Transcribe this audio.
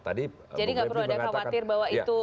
jadi tidak perlu ada khawatir bahwa itu